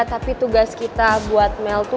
tapi tugas kita buat mel tuh